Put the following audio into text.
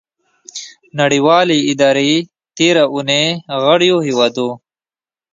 نړیوالې ادارې تیره اونۍ غړیو هیوادو